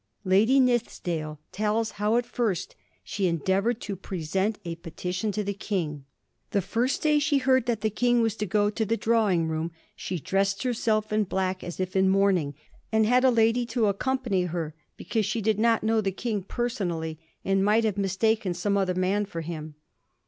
Lady Nithisdale tells how at first she endeavoured to pre sent a petition to the King. The first day she heard that the King was to go to the drawing room, she dressed herself in black, as if in mourning, and had a lady to accompany her, because she did not know the King personally, and might have mistaken some other man for him.